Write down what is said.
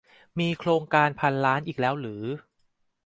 มีโครงการพันล้านอีกแล้วหรือ ?